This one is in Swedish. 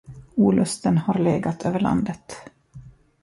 Olusten har legat över landet.